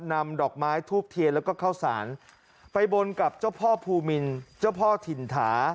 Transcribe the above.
นำดอกไม้ทูบเทียนแล้วก็ข้าวสารไปบนกับเจ้าพ่อภูมิเจ้าพ่อถิ่นถา